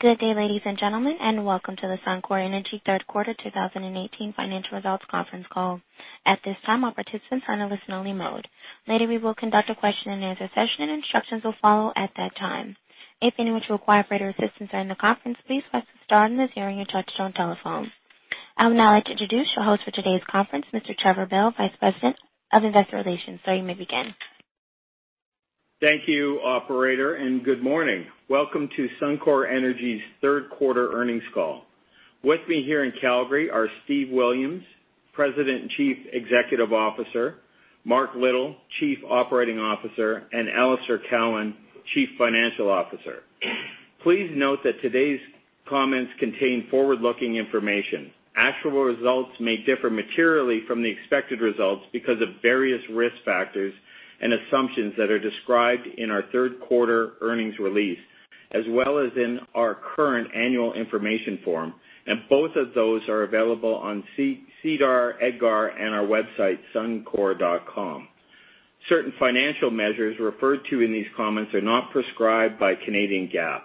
Good day, ladies and gentlemen, welcome to the Suncor Energy Third Quarter 2018 financial results conference call. At this time, all participants are in a listen only mode. Later, we will conduct a question and answer session, instructions will follow at that time. If you need to acquire further assistance during the conference, please press star on the zero of your touchtone telephone. I would now like to introduce your host for today's conference, Mr. Trevor Bell, Vice President of Investor Relations. Sir, you may begin. Thank you, operator, good morning. Welcome to Suncor Energy's third quarter earnings call. With me here in Calgary are Steve Williams, President and Chief Executive Officer, Mark Little, Chief Operating Officer, Alister Cowan, Chief Financial Officer. Please note that today's comments contain forward-looking information. Actual results may differ materially from the expected results because of various risk factors and assumptions that are described in our third quarter earnings release, as well as in our current annual information form. Both of those are available on SEDAR, EDGAR, and our website, suncor.com. Certain financial measures referred to in these comments are not prescribed by Canadian GAAP.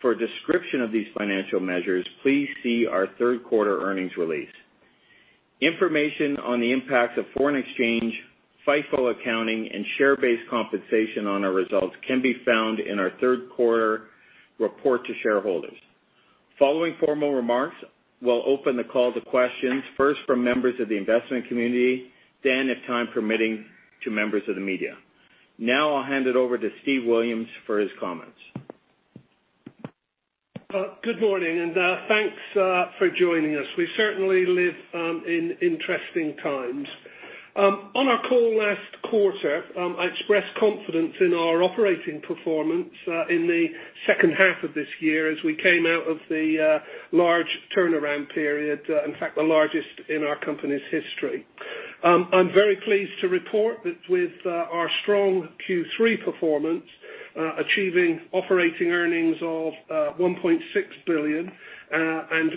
For a description of these financial measures, please see our third quarter earnings release. Information on the impacts of foreign exchange, FIFO accounting and share-based compensation on our results can be found in our third quarter report to shareholders. Following formal remarks, we'll open the call to questions, first from members of the investment community, then if time permitting, to members of the media. I'll hand it over to Steve Williams for his comments. Good morning, thanks for joining us. We certainly live in interesting times. On our call last quarter, I expressed confidence in our operating performance in the second half of this year as we came out of the large turnaround period, in fact, the largest in our company's history. I'm very pleased to report that with our strong Q3 performance, achieving operating earnings of 1.6 billion,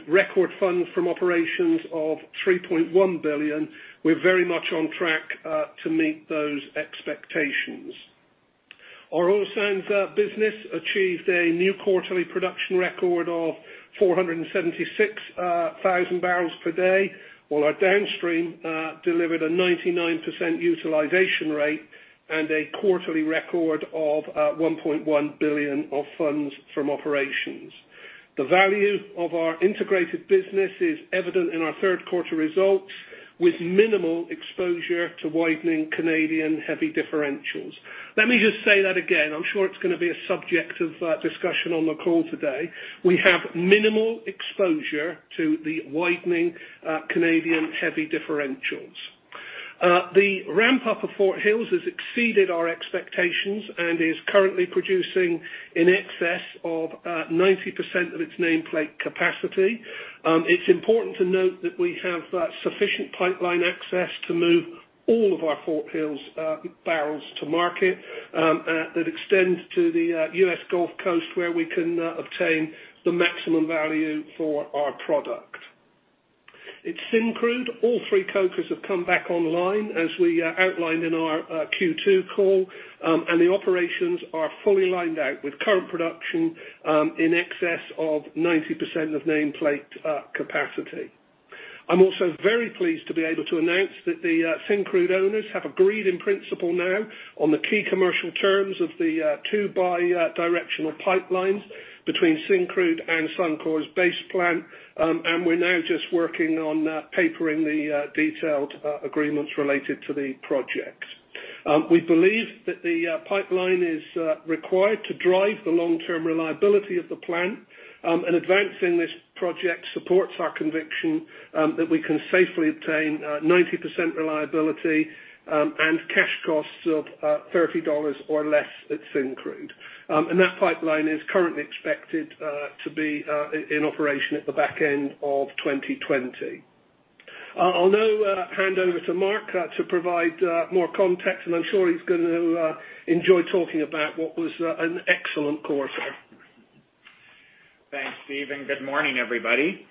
record funds from operations of 3.1 billion, we're very much on track to meet those expectations. Our oil sands business achieved a new quarterly production record of 476,000 barrels per day, while our downstream delivered a 99% utilization rate and a quarterly record of 1.1 billion of funds from operations. The value of our integrated business is evident in our third quarter results, with minimal exposure to widening Canadian heavy differentials. Let me just say that again. I'm sure it's going to be a subject of discussion on the call today. We have minimal exposure to the widening Canadian heavy differentials. The ramp-up of Fort Hills has exceeded our expectations and is currently producing in excess of 90% of its nameplate capacity. It's important to note that we have sufficient pipeline access to move all of our Fort Hills barrels to market that extend to the U.S. Gulf Coast, where we can obtain the maximum value for our product. At Syncrude, all three cokers have come back online as we outlined in our Q2 call, and the operations are fully lined out with current production in excess of 90% of nameplate capacity. I'm also very pleased to be able to announce that the Syncrude owners have agreed in principle now on the key commercial terms of the two bi-directional pipelines between Syncrude and Suncor's base plant. We're now just working on papering the detailed agreements related to the project. We believe that the pipeline is required to drive the long-term reliability of the plant, and advancing this project supports our conviction that we can safely obtain 90% reliability, and cash costs of 30 dollars or less at Syncrude. That pipeline is currently expected to be in operation at the back end of 2020. I'll now hand over to Mark to provide more context, and I'm sure he's going to enjoy talking about what was an excellent quarter. Thanks, Steve, and good morning, everybody.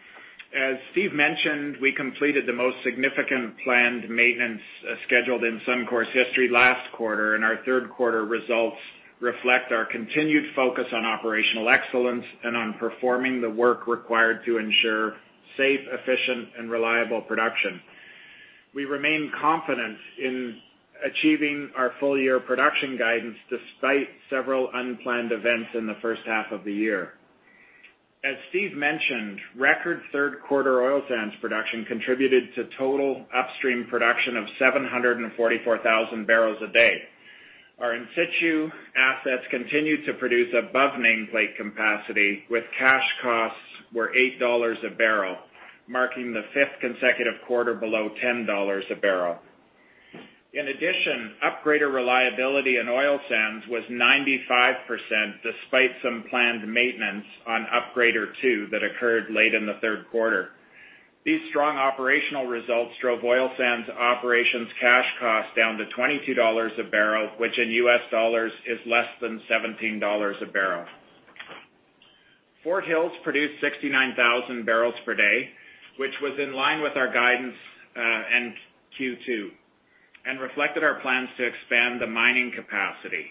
As Steve mentioned, we completed the most significant planned maintenance scheduled in Suncor's history last quarter, and our third quarter results reflect our continued focus on operational excellence and on performing the work required to ensure safe, efficient, and reliable production. We remain confident in achieving our full-year production guidance despite several unplanned events in the first half of the year. As Steve mentioned, record third quarter oil sands production contributed to total upstream production of 744,000 barrels a day. Our in-situ assets continued to produce above nameplate capacity with cash costs were 8 dollars a barrel, marking the fifth consecutive quarter below 10 dollars a barrel. In addition, upgrader reliability in oil sands was 95%, despite some planned maintenance on upgrader 2 that occurred late in the third quarter. These strong operational results drove oil sands operations cash costs down to 22 dollars a barrel, which in US dollars is less than $17 a barrel. Fort Hills produced 69,000 barrels per day, which was in line with our guidance, and Q2, and reflected our plans to expand the mining capacity.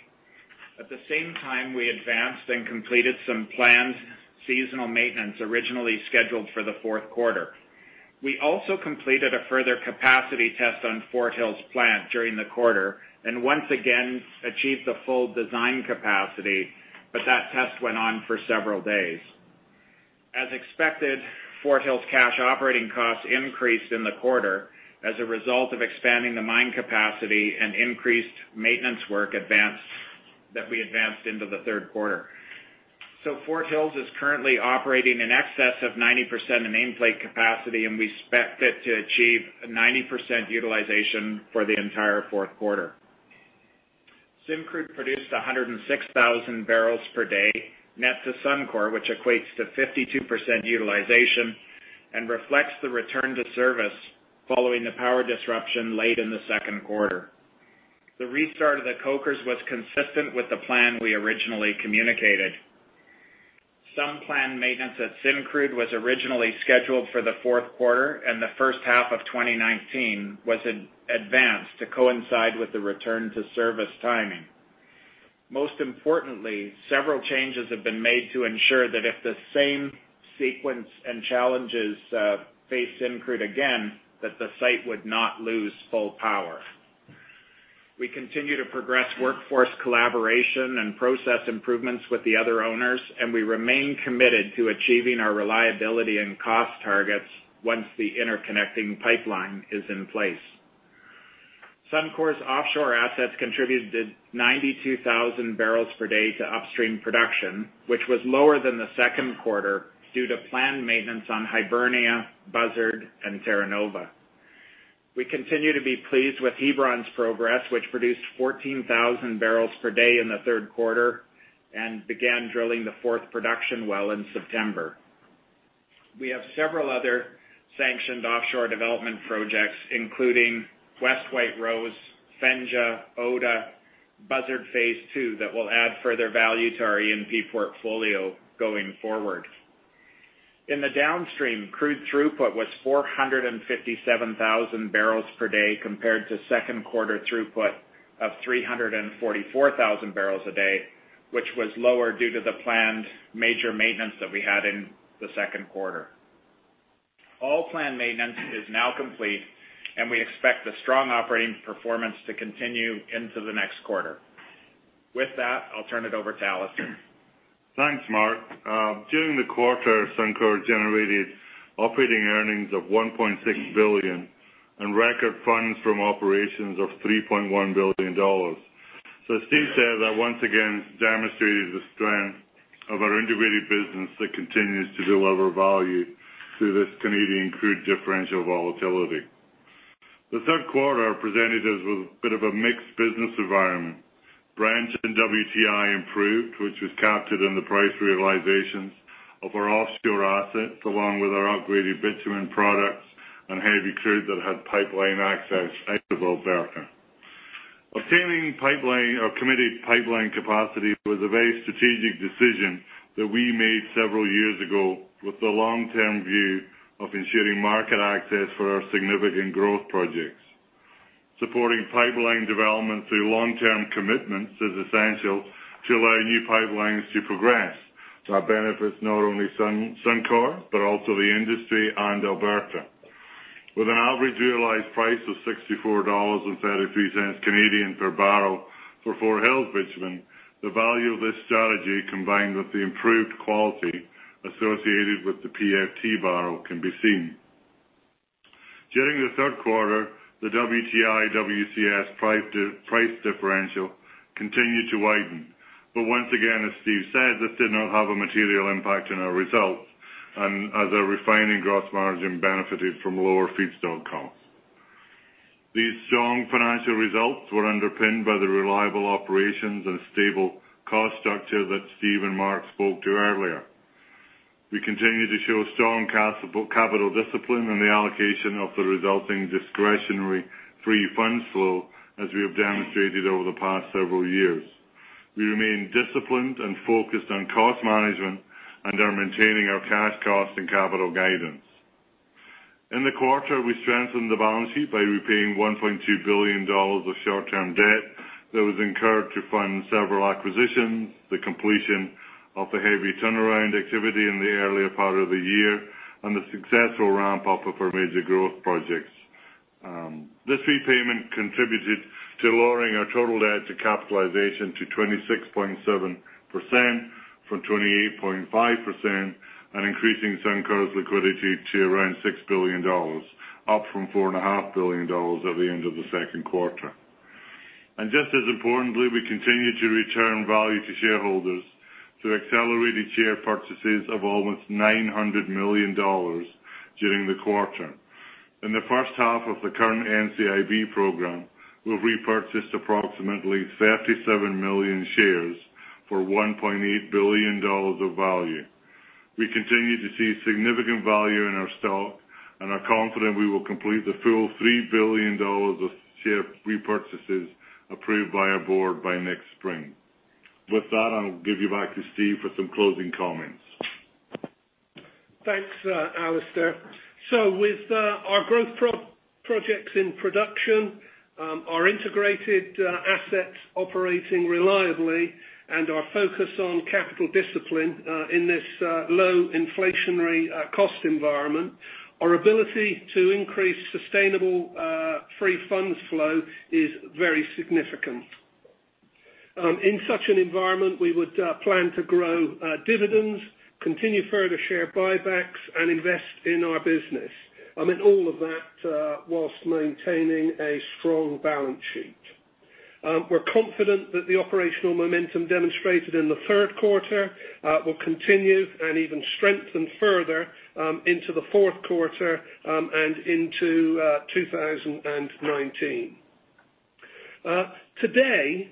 At the same time, we advanced and completed some planned seasonal maintenance originally scheduled for the fourth quarter. We also completed a further capacity test on Fort Hills plant during the quarter, and once again achieved the full design capacity, but that test went on for several days. As expected, Fort Hills cash operating costs increased in the quarter as a result of expanding the mine capacity and increased maintenance work that we advanced into the third quarter. Fort Hills is currently operating in excess of 90% of nameplate capacity, and we expect it to achieve 90% utilization for the entire fourth quarter. Syncrude produced 106,000 barrels per day, net to Suncor, which equates to 52% utilization and reflects the return to service following the power disruption late in the second quarter. The restart of the cokers was consistent with the plan we originally communicated. Some plant maintenance at Syncrude was originally scheduled for the fourth quarter and the first half of 2019 was advanced to coincide with the return-to-service timing. Most importantly, several changes have been made to ensure that if the same sequence and challenges face Syncrude again, that the site would not lose full power. We continue to progress workforce collaboration and process improvements with the other owners, and we remain committed to achieving our reliability and cost targets once the interconnecting pipeline is in place. Suncor's offshore assets contributed 92,000 barrels per day to upstream production, which was lower than the second quarter due to planned maintenance on Hibernia, Buzzard, and Terra Nova. We continue to be pleased with Hebron's progress, which produced 14,000 barrels per day in the third quarter and began drilling the fourth production well in September. We have several other sanctioned offshore development projects, including West White Rose, Fenja, Oda, Buzzard Phase 2, that will add further value to our E&P portfolio going forward. In the downstream, crude throughput was 457,000 barrels per day, compared to second quarter throughput of 344,000 barrels a day, which was lower due to the planned major maintenance that we had in the second quarter. All plant maintenance is now complete, and we expect the strong operating performance to continue into the next quarter. With that, I'll turn it over to Alister. Thanks, Mark. During the quarter, Suncor generated operating earnings of 1.6 billion and record funds from operations of 3.1 billion dollars. Steve said that once again, this demonstrated the strength of our integrated business that continues to deliver value through this Canadian crude differential volatility. The third quarter presented us with a bit of a mixed business environment. Brent and WTI improved, which was captured in the price realizations of our offshore assets, along with our upgraded bitumen products and heavy crude that had pipeline access out of Alberta. Obtaining committed pipeline capacity was a very strategic decision that we made several years ago with the long-term view of ensuring market access for our significant growth projects. Supporting pipeline development through long-term commitments is essential to allow new pipelines to progress. That benefits not only Suncor, but also the industry and Alberta. With an average realized price of 64.33 Canadian dollars per barrel for Fort Hills bitumen, the value of this strategy, combined with the improved quality associated with the PFT barrel, can be seen. During the third quarter, the WTI/WCS price differential continued to widen. Once again, as Steve said, this did not have a material impact on our results as our refining gross margin benefited from lower feedstock costs. These strong financial results were underpinned by the reliable operations and stable cost structure that Steve and Mark spoke to earlier. We continue to show strong capital discipline in the allocation of the resulting discretionary free fund flow, as we have demonstrated over the past several years. We remain disciplined and focused on cost management and are maintaining our cash cost and capital guidance. In the quarter, we strengthened the balance sheet by repaying 1.2 billion dollars of short-term debt that was incurred to fund several acquisitions, the completion of the heavy turnaround activity in the earlier part of the year, and the successful ramp-up of our major growth projects. This repayment contributed to lowering our total debt to capitalization to 26.7% from 28.5% and increasing Suncor's liquidity to around 6 billion dollars, up from 4.5 billion dollars at the end of the second quarter. Just as importantly, we continue to return value to shareholders through accelerated share purchases of almost 900 million dollars during the quarter. In the first half of the current NCIB program, we've repurchased approximately 37 million shares for 1.8 billion dollars of value. We continue to see significant value in our stock and are confident we will complete the full 3 billion dollars of share repurchases approved by our board by next spring. With that, I'll give you back to Steve for some closing comments. Thanks, Alister. With our growth projects in production, our integrated assets operating reliably, and our focus on capital discipline in this low inflationary cost environment, our ability to increase sustainable free funds flow is very significant. In such an environment, we would plan to grow dividends, continue further share buybacks, and invest in our business, and all of that whilst maintaining a strong balance sheet. We're confident that the operational momentum demonstrated in the third quarter will continue and even strengthen further into the fourth quarter and into 2019. Today,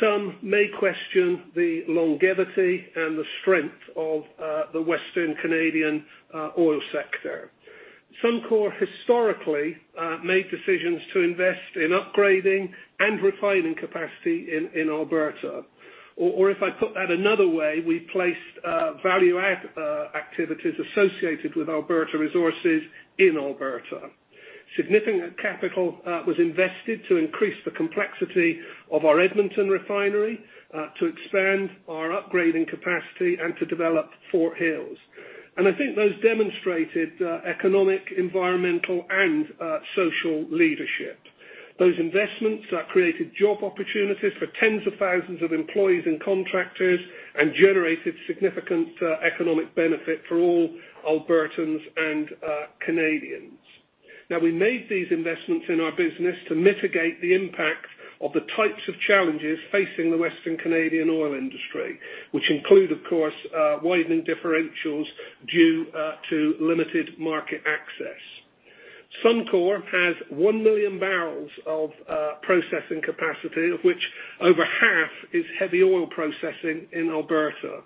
some may question the longevity and the strength of the Western Canadian oil sector. Suncor historically made decisions to invest in upgrading and refining capacity in Alberta. If I put that another way, we placed value-add activities associated with Alberta resources in Alberta. Significant capital was invested to increase the complexity of our Edmonton refinery, to expand our upgrading capacity and to develop Fort Hills. I think those demonstrated economic, environmental, and social leadership. Those investments created job opportunities for tens of thousands of employees and contractors and generated significant economic benefit for all Albertans and Canadians. We made these investments in our business to mitigate the impact of the types of challenges facing the Western Canadian oil industry, which include, of course, widening differentials due to limited market access. Suncor has 1 million barrels of processing capacity, of which over half is heavy oil processing in Alberta.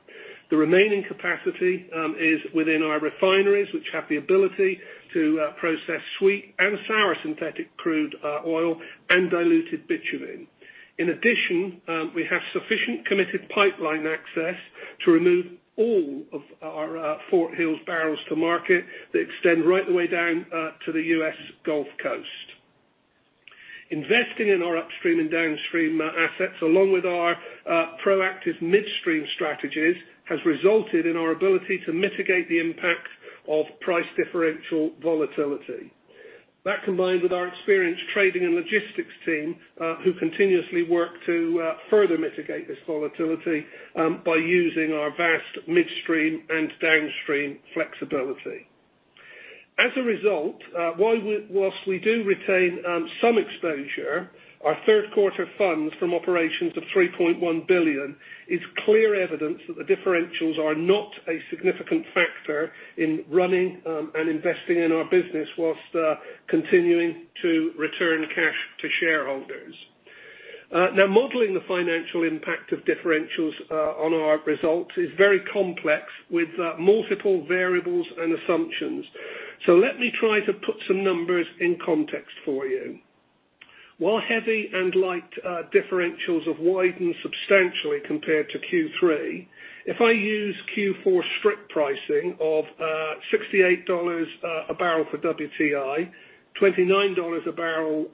The remaining capacity is within our refineries, which have the ability to process sweet and sour synthetic crude oil and diluted bitumen. We have sufficient committed pipeline access to remove all of our Fort Hills barrels to market that extend right the way down to the U.S. Gulf Coast. Investing in our upstream and downstream assets, along with our proactive midstream strategies, has resulted in our ability to mitigate the impact of price differential volatility. That, combined with our experienced trading and logistics team, who continuously work to further mitigate this volatility by using our vast midstream and downstream flexibility. Whilst we do retain some exposure, our third quarter funds from operations of 3.1 billion is clear evidence that the differentials are not a significant factor in running and investing in our business whilst continuing to return cash to shareholders. Modeling the financial impact of differentials on our results is very complex with multiple variables and assumptions. Let me try to put some numbers in context for you. While heavy and light differentials have widened substantially compared to Q3, if I use Q4 strip pricing of CAD 68 a barrel for WTI, 29 dollars a barrel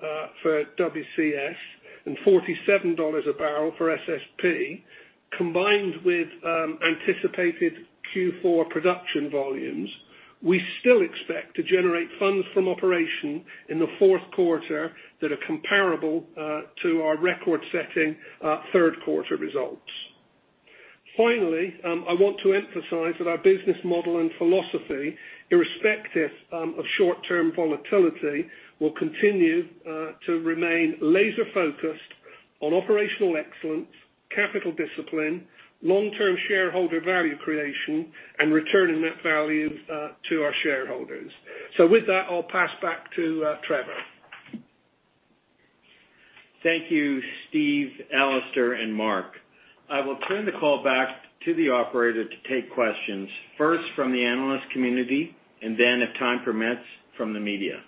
for WCS, and 47 dollars a barrel for SSP, combined with anticipated Q4 production volumes, we still expect to generate funds from operation in the fourth quarter that are comparable to our record-setting third-quarter results. I want to emphasize that our business model and philosophy, irrespective of short-term volatility, will continue to remain laser-focused on operational excellence, capital discipline, long-term shareholder value creation, and returning that value to our shareholders. With that, I'll pass back to Trevor. Thank you, Steve, Alister, and Mark. I will turn the call back to the operator to take questions, first from the analyst community, and then if time permits, from the media. Thank you.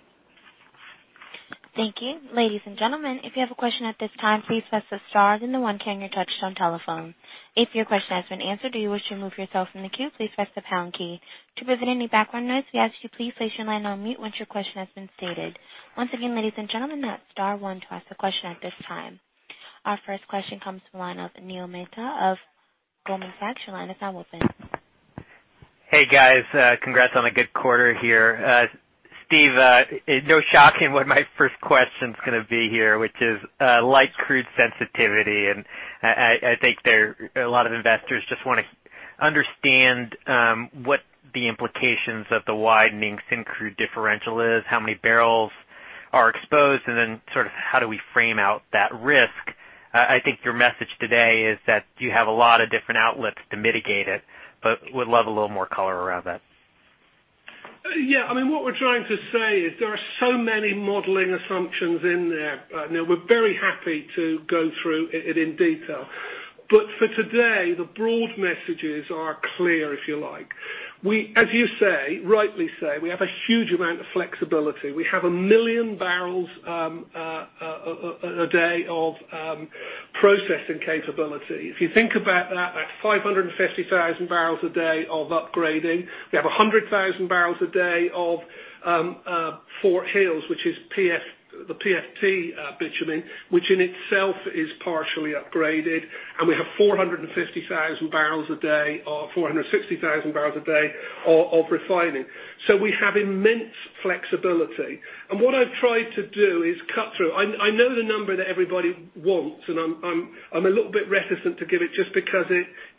Ladies and gentlemen, if you have a question at this time, please press the star then the one key on your touch-tone telephone. If your question has been answered or you wish to remove yourself from the queue, please press the pound key. To prevent any background noise, we ask you to please place your line on mute once your question has been stated. Once again, ladies and gentlemen, that's star one to ask a question at this time. Our first question comes from the line of Neil Mehta of Goldman Sachs. Your line is now open. Hey, guys. Congrats on a good quarter here. Steve, it's no shock in what my first question is going to be here, which is light crude sensitivity. I think a lot of investors just want to understand what the implications of the widening syn crude differential is, how many barrels are exposed, and then sort of how do we frame out that risk. I think your message today is that you have a lot of different outlets to mitigate it, would love a little more color around that. Yeah, what we're trying to say is there are so many modeling assumptions in there. We're very happy to go through it in detail. For today, the broad messages are clear, if you like. As you rightly say, we have a huge amount of flexibility. We have a million barrels a day of processing capability. If you think about that's 550,000 barrels a day of upgrading. We have 100,000 barrels a day of Fort Hills, which is the PFT bitumen, which in itself is partially upgraded, and we have 450,000 barrels a day, or 460,000 barrels a day of refining. We have immense flexibility. What I've tried to do is cut through. I know the number that everybody wants, and I'm a little bit reticent to give it just because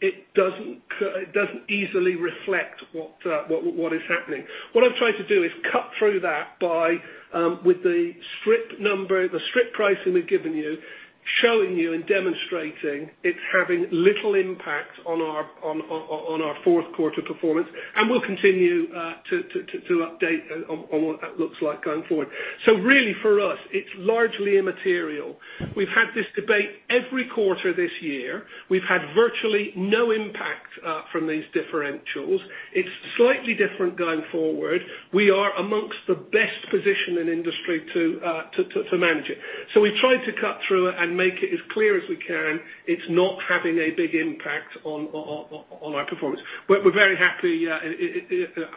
it doesn't easily reflect what is happening. What I've tried to do is cut through that with the strip pricing we've given you, showing you and demonstrating it's having little impact on our fourth quarter performance. We'll continue to update on what that looks like going forward. Really, for us, it's largely immaterial. We've had this debate every quarter this year. We've had virtually no impact from these differentials. It's slightly different going forward. We are amongst the best positioned in the industry to manage it. We've tried to cut through it and make it as clear as we can. It's not having a big impact on our performance. We're very happy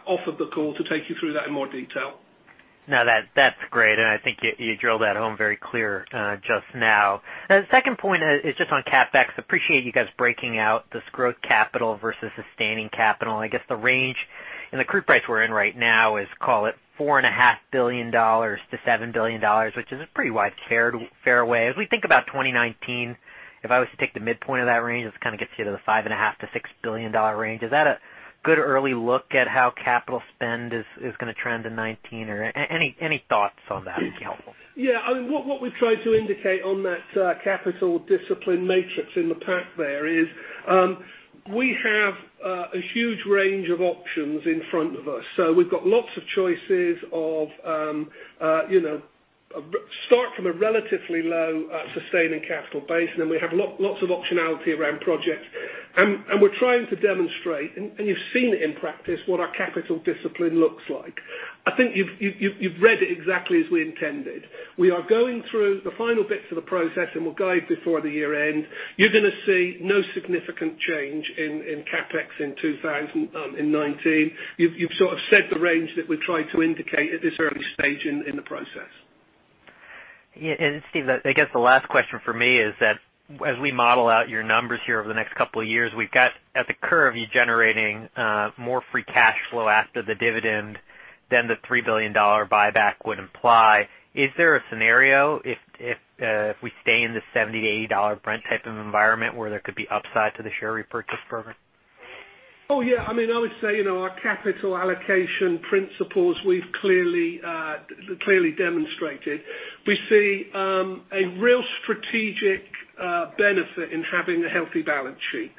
off of the call to take you through that in more detail. No, that's great. I think you drilled that home very clear just now. The second point is just on CapEx. Appreciate you guys breaking out this growth capital versus sustaining capital. I guess the range in the crude price we're in right now is, call it 4.5 billion-7 billion dollars, which is a pretty wide fairway. As we think about 2019, if I was to take the midpoint of that range, it gets you to the 5.5 billion-6 billion dollar range. Is that a good early look at how capital spend is going to trend in 2019, or any thoughts on that would be helpful? Yeah. What we've tried to indicate on that capital discipline matrix in the pack there is we have a huge range of options in front of us. We've got lots of choices of start from a relatively low sustaining capital base, and then we have lots of optionality around projects. We're trying to demonstrate, and you've seen it in practice, what our capital discipline looks like. I think you've read it exactly as we intended. We are going through the final bits of the process, and we'll guide before the year-end. You're going to see no significant change in CapEx in 2019. You've sort of said the range that we've tried to indicate at this early stage in the process. Yeah. Steve, I guess the last question from me is that as we model out your numbers here over the next couple of years, we've got at the curve, you generating more free cash flow after the dividend than the 3 billion dollar buyback would imply. Is there a scenario if we stay in this 70-80 dollar Brent type of environment where there could be upside to the share repurchase program? Yeah. I would say, our capital allocation principles we've clearly demonstrated. We see a real strategic benefit in having a healthy balance sheet.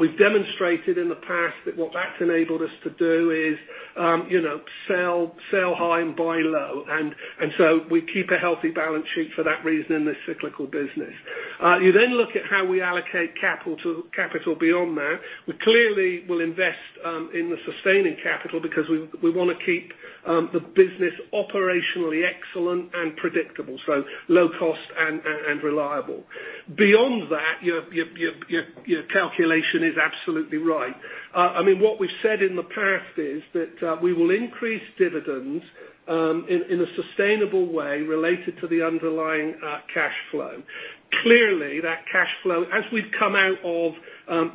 We've demonstrated in the past that what that's enabled us to do is sell high and buy low. We keep a healthy balance sheet for that reason in this cyclical business. You look at how we allocate capital beyond that. We clearly will invest in the sustaining capital because we want to keep the business operationally excellent and predictable, so low cost and reliable. Beyond that, your calculation is absolutely right. What we've said in the past is that we will increase dividends in a sustainable way related to the underlying cash flow. Clearly, that cash flow, as we've come out of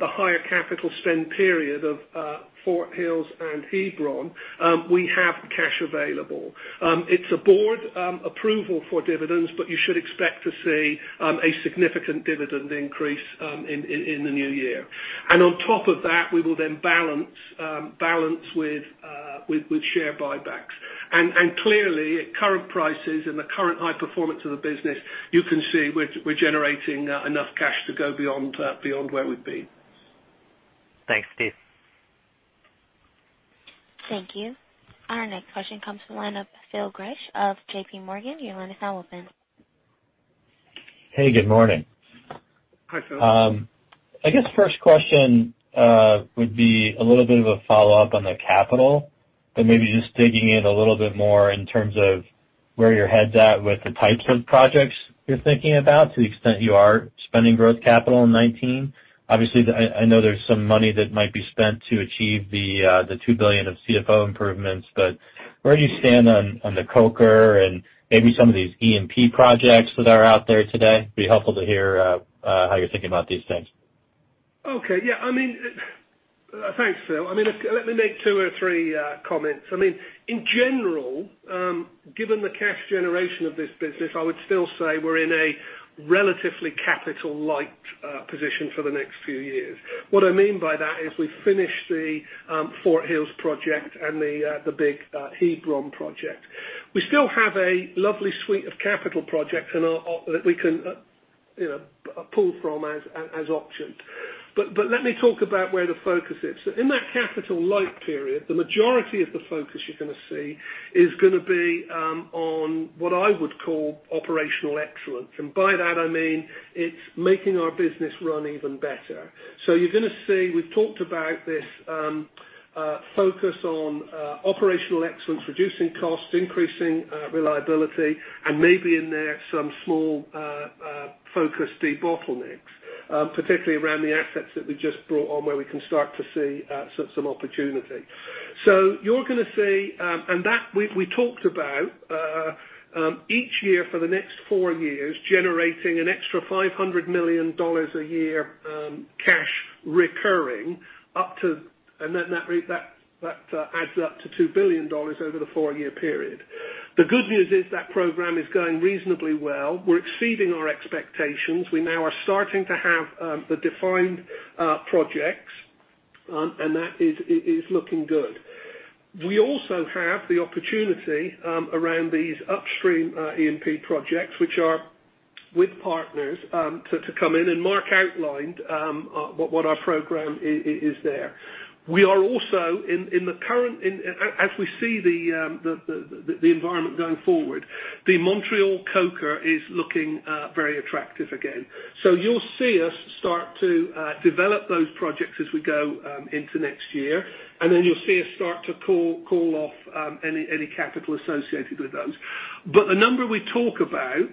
the higher capital spend period of Fort Hills and Hebron, we have cash available. It's a board approval for dividends. You should expect to see a significant dividend increase in the new year. On top of that, we will balance with share buybacks. Clearly, at current prices and the current high performance of the business, you can see we're generating enough cash to go beyond where we've been. Thanks, Steve. Thank you. Our next question comes from the line of Phil Gresh of JPMorgan. Your line is now open. Hey, good morning. Hi, Phil. I guess first question would be a little bit of a follow-up on the capital, but maybe just digging in a little bit more in terms of where your head's at with the types of projects you're thinking about to the extent you are spending growth capital in 2019. Obviously, I know there's some money that might be spent to achieve the 2 billion of CFO improvements, but where do you stand on the coker and maybe some of these E&P projects that are out there today? It'd be helpful to hear how you're thinking about these things. Okay. Yeah. Thanks, Phil. Let me make two or three comments. In general, given the cash generation of this business, I would still say we're in a relatively capital light position for the next few years. What I mean by that is we've finished the Fort Hills project and the big Hebron project. We still have a lovely suite of capital projects that we can pull from as options. Let me talk about where the focus is. In that capital light period, the majority of the focus you're going to see is going to be on what I would call operational excellence. By that, I mean it's making our business run even better. You're going to see, we've talked about this. Focus on operational excellence, reducing costs, increasing reliability, and maybe in there some small focused debottlenecks, particularly around the assets that we just brought on where we can start to see some opportunity. You're going to see. That we talked about each year for the next four years, generating an extra 500 million dollars a year, cash recurring, and that adds up to 2 billion dollars over the four-year period. The good news is that program is going reasonably well. We're exceeding our expectations. We now are starting to have the defined projects, that is looking good. We also have the opportunity around these upstream E&P projects, which are with partners, to come in and Mark outlined what our program is there. We are also, as we see the environment going forward, the Montreal coker is looking very attractive again. You'll see us start to develop those projects as we go into next year, and then you'll see us start to call off any capital associated with those. The number we talk about,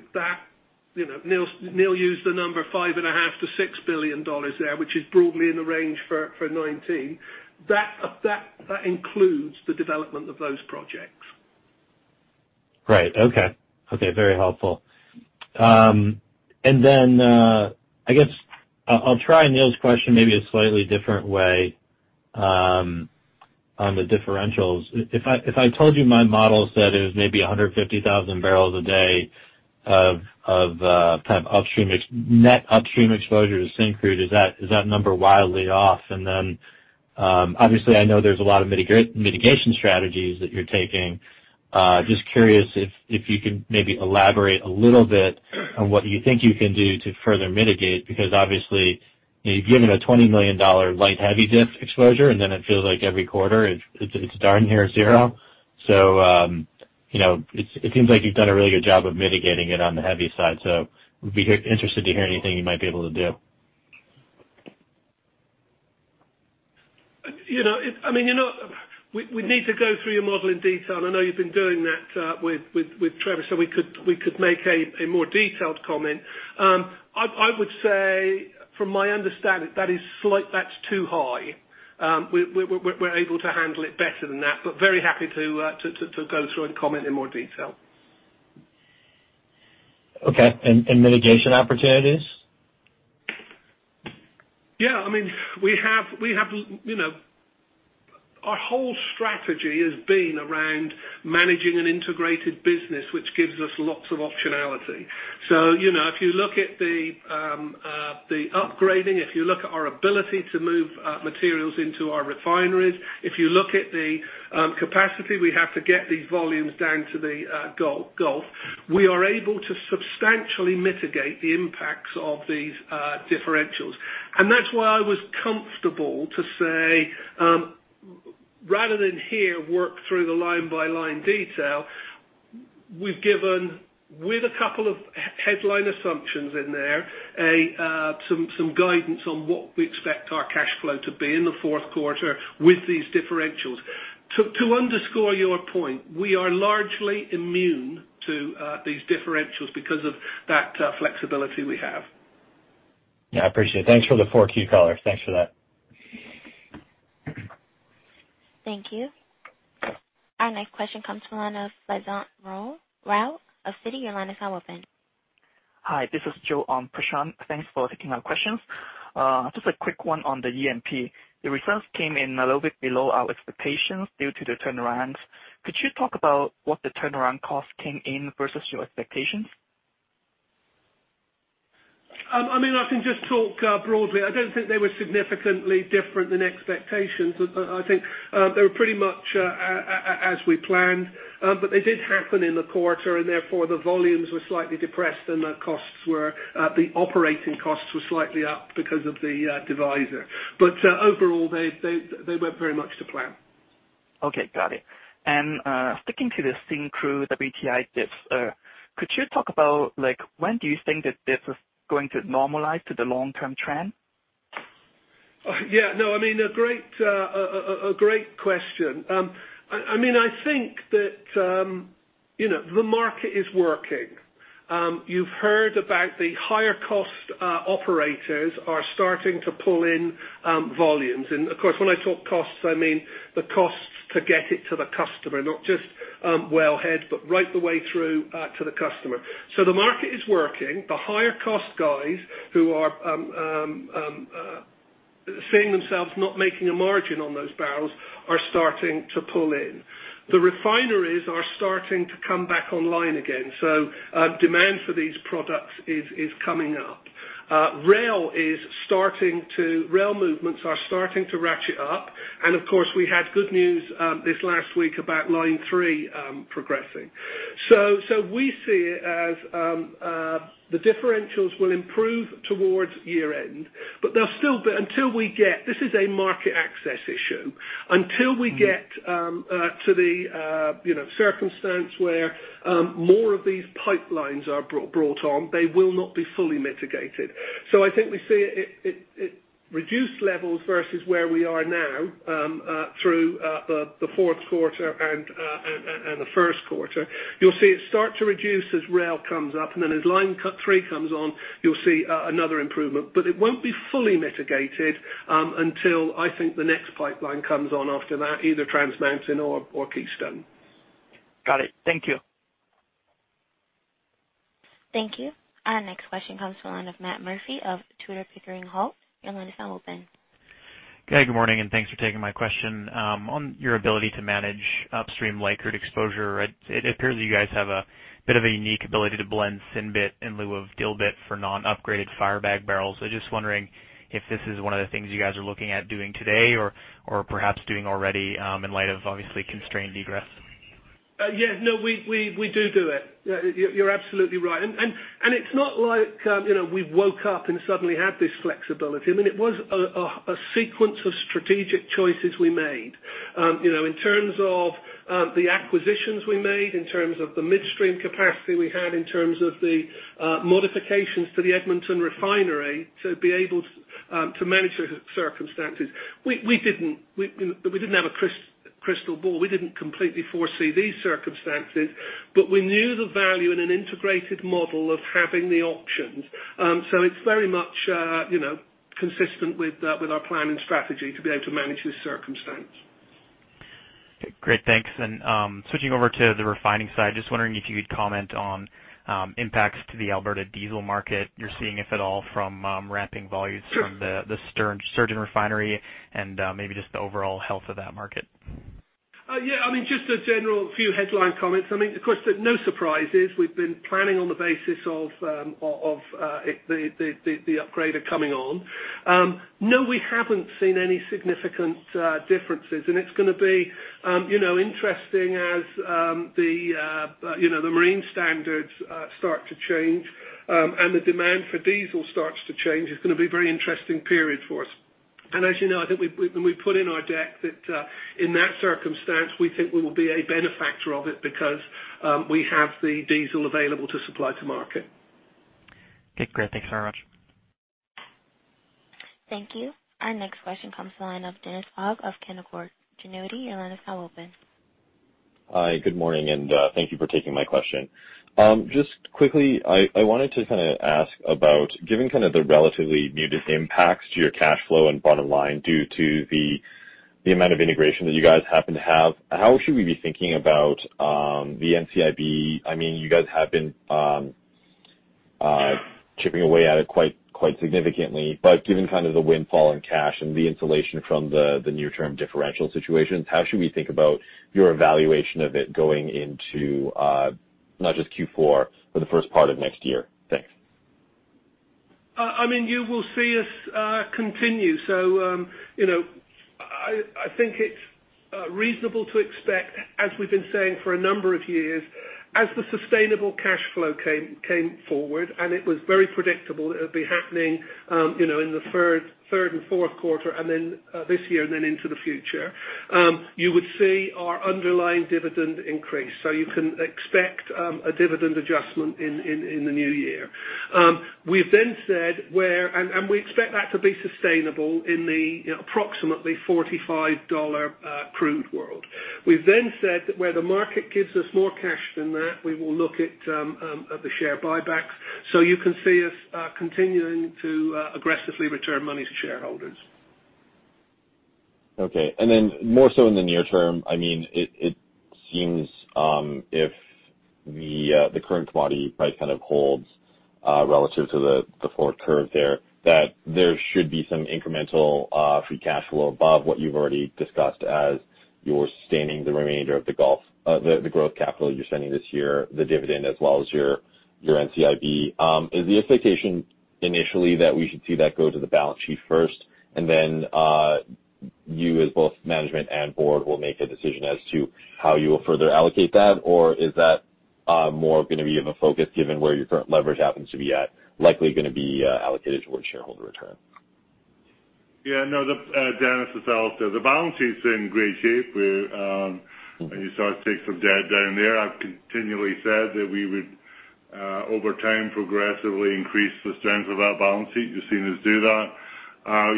Neil used the number 5.5 billion to 6 billion dollars there, which is broadly in the range for 2019. That includes the development of those projects. Right. Okay. Very helpful. I guess, I'll try Neil's question maybe a slightly different way on the differentials. If I told you my model said it was maybe 150,000 barrels a day of net upstream exposure to Syncrude, is that number wildly off? Obviously, I know there's a lot of mitigation strategies that you're taking. Just curious if you could maybe elaborate a little bit on what you think you can do to further mitigate, because obviously, you've given a 20 million dollar light heavy diff exposure, and then it feels like every quarter it's darn near zero. It seems like you've done a really good job of mitigating it on the heavy side, so would be interested to hear anything you might be able to do. We'd need to go through your model in detail, and I know you've been doing that with Trevor, so we could make a more detailed comment. From my understanding, that's too high. We're able to handle it better than that, but very happy to go through and comment in more detail. Okay. Mitigation opportunities? Yeah. Our whole strategy has been around managing an integrated business, which gives us lots of optionality. If you look at the upgrading, if you look at our ability to move materials into our refineries, if you look at the capacity we have to get these volumes down to the Gulf. We are able to substantially mitigate the impacts of these differentials. That is why I was comfortable to say, rather than here work through the line-by-line detail, we have given with a couple of headline assumptions in there, some guidance on what we expect our cash flow to be in the fourth quarter with these differentials. To underscore your point, we are largely immune to these differentials because of that flexibility we have. Yeah, I appreciate it. Thanks for the 4Q color. Thanks for that. Thank you. Our next question comes from the line of Prashant Rao of Citi. Your line is now open. Hi, this is Joe Prashanth. Thanks for taking our questions. Just a quick one on the E&P. The results came in a little bit below our expectations due to the turn-arounds. Could you talk about what the turnaround cost came in versus your expectations? I can just talk broadly. I don't think they were significantly different than expectations. I think they were pretty much as we planned. They did happen in the quarter, and therefore the volumes were slightly depressed and the operating costs were slightly up because of the divisor. Overall, they went very much to plan. Okay. Got it. Sticking to the Syncrude WTI diff, could you talk about when do you think the diff is going to normalize to the long-term trend? Yeah. A great question. I think that the market is working. You've heard about the higher-cost operators are starting to pull in volumes. Of course, when I talk costs, I mean the costs to get it to the customer, not just wellhead, but right the way through to the customer. The market is working. The higher-cost guys who are seeing themselves not making a margin on those barrels are starting to pull in. The refineries are starting to come back online again, demand for these products is coming up. Rail movements are starting to ratchet up, of course, we had good news this last week about Line 3 progressing. The differentials will improve towards year end, but until we get. This is a market access issue. Until we get to the circumstance where more of these pipelines are brought on, they will not be fully mitigated. I think we see it reduced levels versus where we are now through the fourth quarter and the first quarter. You'll see it start to reduce as rail comes up, then as Line 3 comes on, you'll see another improvement. It won't be fully mitigated until, I think, the next pipeline comes on after that, either Trans Mountain or Keystone. Got it. Thank you. Thank you. Our next question comes to the line of Matt Murphy of Tudor, Pickering, Holt & Co. Your line is now open. Good morning, and thanks for taking my question. On your ability to manage upstream light crude exposure, it appears that you guys have a bit of a unique ability to blend Synbit in lieu of Dilbit for non-upgraded Firebag barrels. I'm just wondering if this is one of the things you guys are looking at doing today or perhaps doing already in light of obviously constrained egress. Yes. No, we do it. You're absolutely right. It's not like we woke up and suddenly had this flexibility. It was a sequence of strategic choices we made in terms of the acquisitions we made, in terms of the midstream capacity we had, in terms of the modifications to the Edmonton refinery to be able to manage the circumstances. We didn't have a crystal ball. We didn't completely foresee these circumstances, but we knew the value in an integrated model of having the options. It's very much consistent with our plan and strategy to be able to manage this circumstance. Okay, great. Thanks. Switching over to the refining side, just wondering if you could comment on impacts to the Alberta diesel market you're seeing, if at all, from ramping volumes. Sure from the Sturgeon Refinery and maybe just the overall health of that market. Yeah. Just a general few headline comments. Of course, no surprises. We've been planning on the basis of the upgrader coming on. We haven't seen any significant differences, it's going to be interesting as the marine standards start to change and the demand for diesel starts to change. It's going to be a very interesting period for us. As you know, I think we put in our deck that in that circumstance, we think we will be a benefactor of it because we have the diesel available to supply to market. Okay, great. Thank you so much. Thank you. Our next question comes to the line of Dennis Fong of Canaccord Genuity. Your line is now open. Hi. Good morning, and thank you for taking my question. Just quickly, I wanted to ask about, given the relatively muted impacts to your cash flow and bottom line due to the amount of integration that you guys happen to have, how should we be thinking about the NCIB? You guys have been chipping away at it quite significantly, but given the windfall in cash and the insulation from the near-term differential situations, how should we think about your evaluation of it going into not just Q4, but the first part of next year? Thanks. You will see us continue. I think it's reasonable to expect, as we've been saying for a number of years, as the sustainable cash flow came forward, and it was very predictable it would be happening in the third and fourth quarter this year and then into the future, you would see our underlying dividend increase. You can expect a dividend adjustment in the new year. We expect that to be sustainable in the approximately $45 crude world. We've said that where the market gives us more cash than that, we will look at the share buybacks. You can see us continuing to aggressively return money to shareholders. Okay. More so in the near term, it seems if the current commodity price holds relative to the forward curve there, that there should be some incremental free cash flow above what you've already discussed as you're sustaining the remainder of the growth capital you're spending this year, the dividend, as well as your NCIB. Is the expectation initially that we should see that go to the balance sheet first, and then you as both management and board will make a decision as to how you will further allocate that? Or is that more going to be of a focus given where your current leverage happens to be at, likely going to be allocated towards shareholder return? No, Dennis, as I said, the balance sheet's in great shape. You saw us take some debt down there. I've continually said that we would, over time, progressively increase the strength of our balance sheet. You've seen us do that. On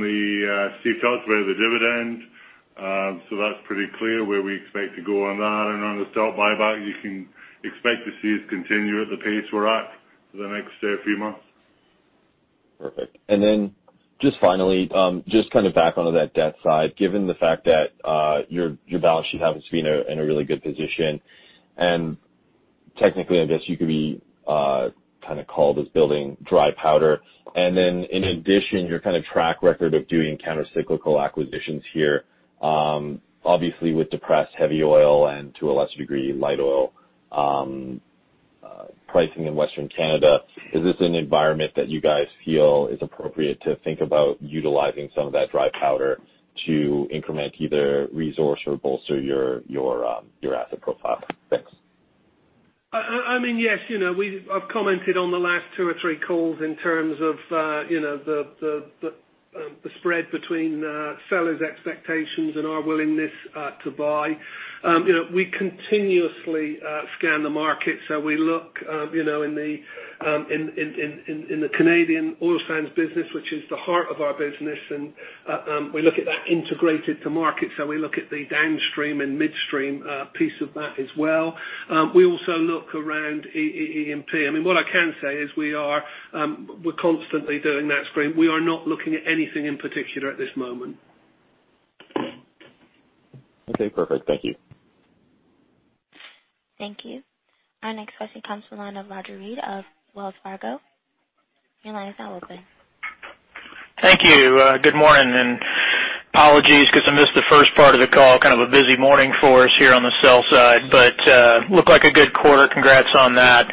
the capital upside, we have the dividend. That's pretty clear where we expect to go on that. On the stock buyback, you can expect to see us continue at the pace we're at for the next few months. Perfect. Just finally, just back onto that debt side, given the fact that your balance sheet happens to be in a really good position, and technically, I guess you could be called as building dry powder. In addition, your track record of doing countercyclical acquisitions here, obviously with depressed heavy oil and to a lesser degree, light oil pricing in Western Canada, is this an environment that you guys feel is appropriate to think about utilizing some of that dry powder to increment either resource or bolster your asset profile? Thanks. I mean, yes. I've commented on the last two or three calls in terms of the spread between sellers' expectations and our willingness to buy. We continuously scan the market. We look in the Canadian oil sands business, which is the heart of our business, and we look at that integrated to market. We look at the downstream and midstream piece of that as well. We also look around E&P. I mean, what I can say is we're constantly doing that screen. We are not looking at anything in particular at this moment. Okay, perfect. Thank you. Thank you. Our next question comes from the line of Roger Read of Wells Fargo. Your line is now open. Thank you. Good morning. Apologies because I missed the first part of the call. Kind of a busy morning for us here on the sell side. Looked like a good quarter. Congrats on that.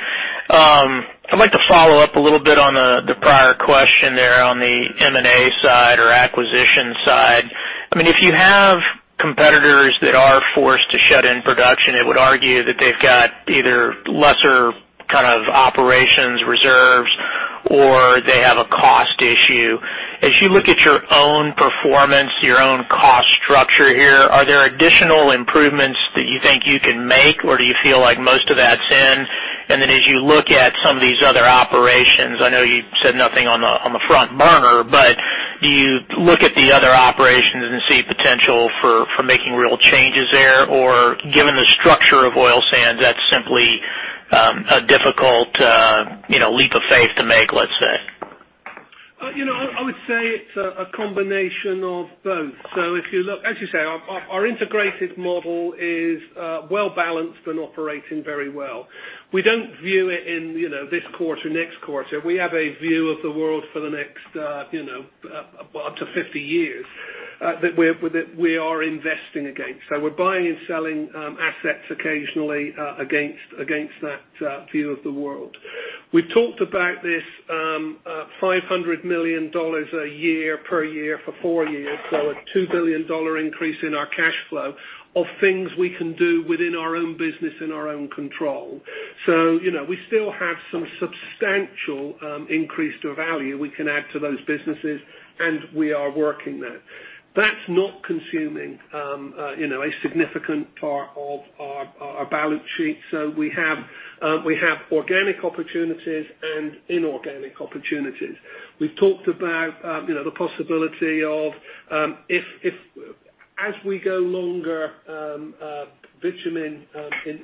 I'd like to follow up a little bit on the prior question there on the M&A side or acquisition side. If you have competitors that are forced to shut in production, it would argue that they've got either lesser operations reserves or they have a cost issue. As you look at your own performance, your own cost structure here, are there additional improvements that you think you can make, or do you feel like most of that's in? As you look at some of these other operations, I know you said nothing on the front burner, but do you look at the other operations and see potential for making real changes there? Given the structure of oil sands, that's simply a difficult leap of faith to make, let's say. I would say it's a combination of both. If you look, as you say, our integrated model is well-balanced and operating very well. We don't view it in this quarter, next quarter. We have a view of the world for the next up to 50 years, that we are investing against. We're buying and selling assets occasionally against that view of the world. We've talked about this 500 million dollars a year per year for four years, a 2 billion dollar increase in our cash flow of things we can do within our own business, in our own control. We still have some substantial increase to value we can add to those businesses, and we are working that. That's not consuming a significant part of our balance sheet. We have organic opportunities and inorganic opportunities. We've talked about the possibility of, as we go longer bitumen in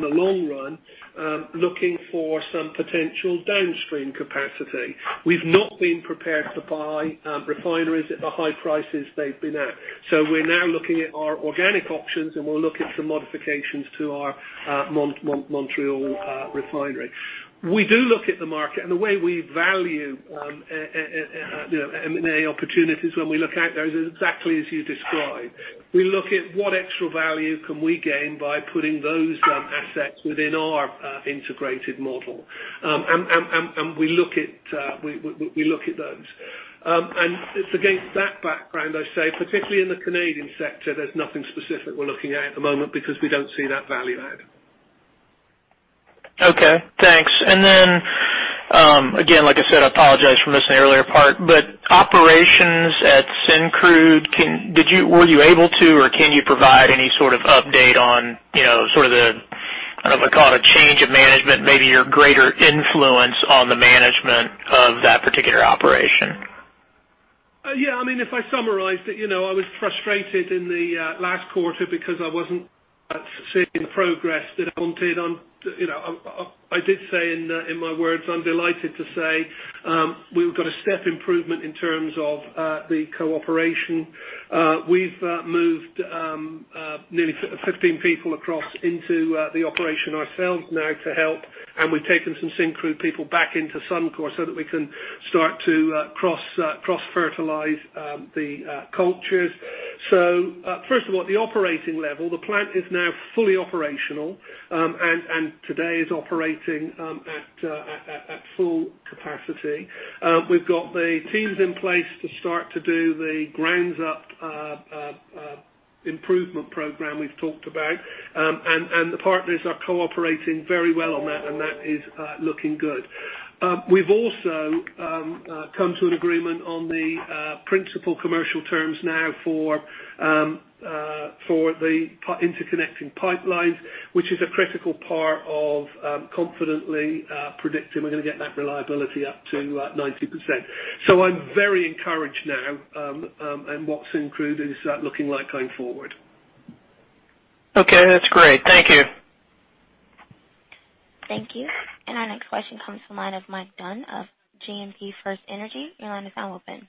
the long run, looking for some potential downstream capacity. We've not been prepared to buy refineries at the high prices they've been at. We're now looking at our organic options, and we'll look at some modifications to our Montreal refinery. We do look at the market, and the way we value M&A opportunities when we look at those is exactly as you describe. We look at what extra value can we gain by putting those assets within our integrated model. We look at those. It's against that background, I say, particularly in the Canadian sector, there's nothing specific we're looking at at the moment because we don't see that value add. Okay, thanks. Again, like I said, I apologize for missing the earlier part, operations at Syncrude, were you able to or can you provide any sort of update on sort of the, I don't know if I'd call it a change of management, maybe your greater influence on the management of that particular operation? Yeah. If I summarize it, I was frustrated in the last quarter because I wasn't seeing progress that I wanted. I did say in my words, I'm delighted to say, we've got a step improvement in terms of the cooperation. We've moved nearly 15 people across into the operation ourselves now to help, and we've taken some Syncrude people back into Suncor so that we can start to cross-fertilize the cultures. First of all, at the operating level, the plant is now fully operational, and today is operating at full capacity. We've got the teams in place to start to do the ground-up improvement program we've talked about. The partners are cooperating very well on that, and that is looking good. We've also come to an agreement on the principal commercial terms now for the interconnecting pipelines, which is a critical part of confidently predicting we're going to get that reliability up to 90%. I'm very encouraged now in what Syncrude is looking like going forward. Okay, that's great. Thank you. Thank you. Our next question comes from the line of Mike Dunn of GMP FirstEnergy. Your line is now open.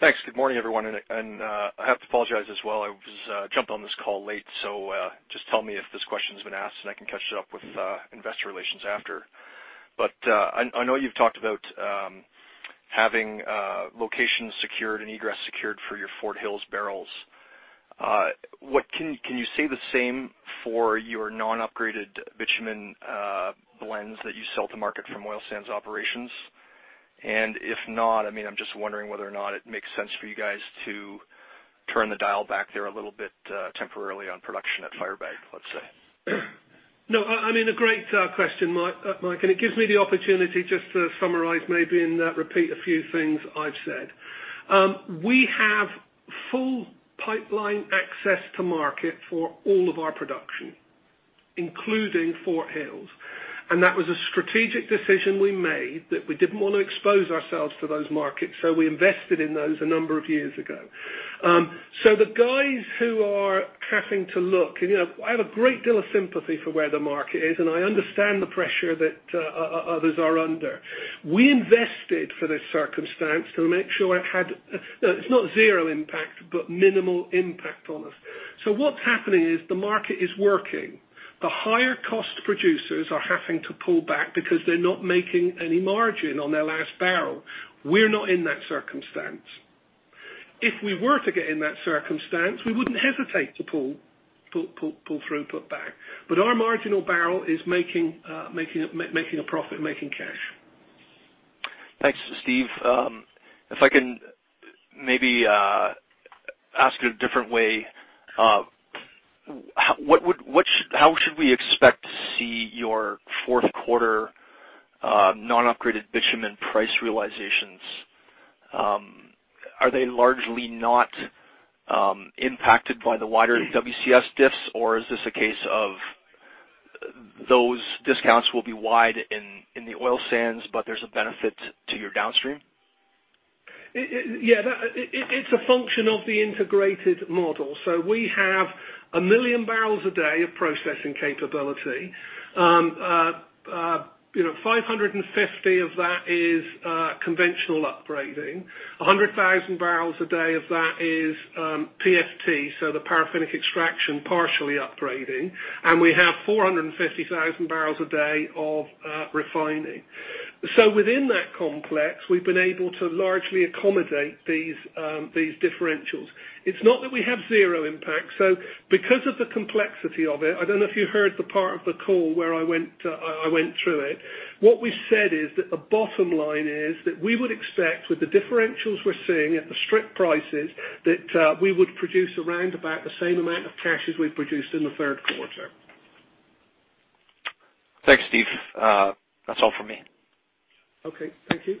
Thanks. Good morning, everyone. I have to apologize as well. I just jumped on this call late, so just tell me if this question's been asked, and I can catch it up with investor relations after. I know you've talked about having locations secured and egress secured for your Fort Hills barrels. Can you say the same for your non-upgraded bitumen blends that you sell to market from oil sands operations? If not, I'm just wondering whether or not it makes sense for you guys to turn the dial back there a little bit, temporarily on production at Firebag, let's say. No. A great question, Mike, it gives me the opportunity just to summarize maybe and repeat a few things I've said. We have full pipeline access to market for all of our production, including Fort Hills. That was a strategic decision we made that we didn't want to expose ourselves to those markets, we invested in those a number of years ago. The guys who are having to look, I have a great deal of sympathy for where the market is, I understand the pressure that others are under. We invested for this circumstance to make sure it had, it's not zero impact, but minimal impact on us. What's happening is the market is working. The higher-cost producers are having to pull back because they're not making any margin on their last barrel. We're not in that circumstance. If we were to get in that circumstance, we wouldn't hesitate to pull throughput back. Our marginal barrel is making a profit, making cash. Thanks, Steve. If I can maybe ask a different way. How should we expect to see your fourth quarter non-upgraded bitumen price realizations? Are they largely not impacted by the wider WCS diffs, or is this a case of those discounts will be wide in the oil sands, but there's a benefit to your downstream? It's a function of the integrated model. We have 1 million barrels a day of processing capability. 550 of that is conventional upgrading. 100,000 barrels a day of that is PFT, so the paraffinic extraction partially upgrading. We have 450,000 barrels a day of refining. Within that complex, we've been able to largely accommodate these differentials. It's not that we have zero impact. Because of the complexity of it, I don't know if you heard the part of the call where I went through it. What we said is that the bottom line is that we would expect with the differentials we're seeing at the strip prices, that we would produce around about the same amount of cash as we produced in the third quarter. Thanks, Steve. That's all for me. Okay. Thank you.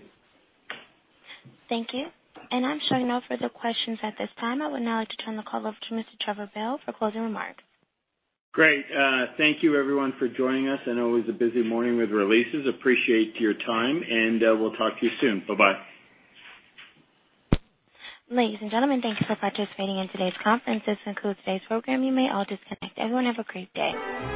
Thank you. I'm showing no further questions at this time. I would now like to turn the call over to Mr. Trevor Bell for closing remarks. Great. Thank you everyone for joining us. I know it was a busy morning with releases. Appreciate your time, and we'll talk to you soon. Bye-bye. Ladies and gentlemen, thank you for participating in today's conference. This concludes today's program. You may all disconnect. Everyone, have a great day.